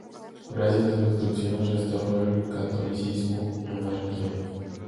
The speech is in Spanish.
Gracias a sus instrucciones restauró el catolicismo en la región.